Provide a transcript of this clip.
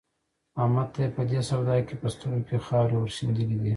احمد ته يې په دې سودا کې په سترګو کې خاورې ور شيندلې دي.